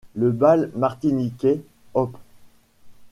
Le bal martiniquais op.